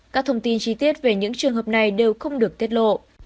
các thông tin chi tiết về những trường hợp này đều không được tiết lộ